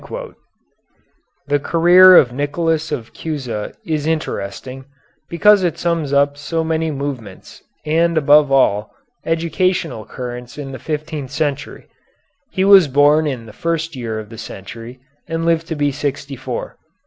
The career of Nicholas of Cusa is interesting, because it sums up so many movements, and, above all, educational currents in the fifteenth century. He was born in the first year of the century, and lived to be sixty four.